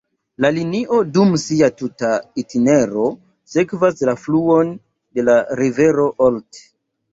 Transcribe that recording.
La linio dum sia tuta itinero sekvas la fluon de la rivero Olt.